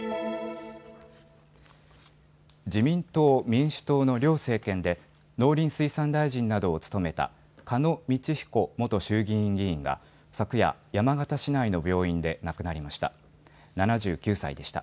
自民党民主党の両政権で農林水産大臣などを務めた鹿野道彦元衆議院議員が昨夜、山形市内の病院で亡くなりました。